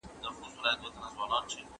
ښوروا بې غوښي نه پخېږي.